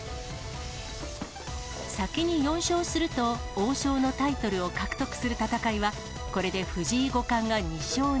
先に４勝すると、王将のタイトルを獲得する戦いは、これで藤井五冠が２勝に。